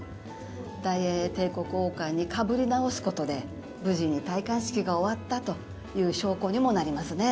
大英帝国王冠にかぶり直すことで無事に戴冠式が終わったという証拠にもなりますね。